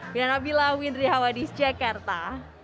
bina nabilah winri hawadis jakarta